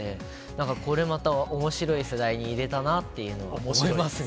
なんかこれまたおもしろい世代にいれたなっていうのは思いますね。